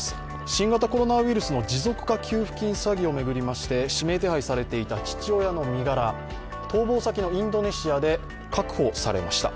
新型コロナウイルスの持続化給付金詐欺を巡りまして指名手配されていた父親の身柄逃亡先のインドネシアで確保されました。